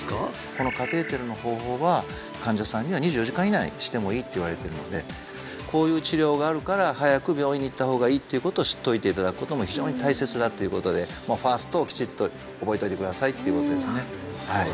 このカテーテルの方法は患者さんには２４時間以内してもいいといわれてるのでこういう治療があるから早く病院に行った方がいいっていうことを知っておいていただくことも非常に大切だっていうことでＦＡＳＴをきちっと覚えといてくださいっていうことですね